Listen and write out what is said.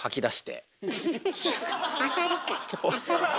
あさりか。